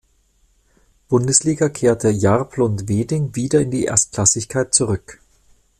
Bundesliga kehrte Jarplund-Weding wieder in die Erstklassigkeit zurück.